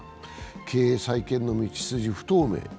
経営再建の道筋、不透明。